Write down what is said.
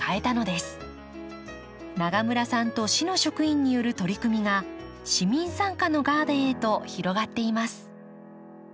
永村さんと市の職員による取り組みが市民参加のガーデンへと広がっています。